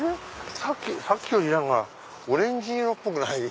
さっきよりオレンジ色っぽくない？